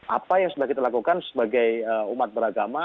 apa yang sudah kita lakukan sebagai umat beragama